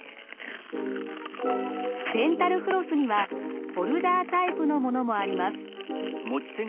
デンタルフロスにはホルダータイプのものもあります。